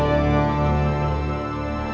aku mau ke sekolah